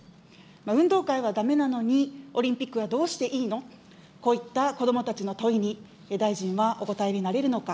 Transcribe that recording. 運動会はだめなのに、オリンピックはどうしていいの、こういった子どもたちの問いに、大臣はお答えになれるのか。